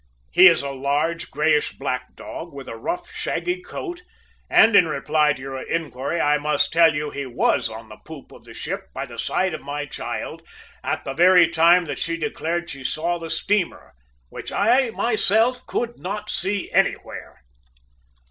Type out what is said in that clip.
He is a large greyish black dog, with a rough shaggy coat, and in reply to your enquiry, I must tell you he was on the poop of the ship, by the side of my child, at the very time that she declared she saw that steamer, which I, myself, could not see anywhere!"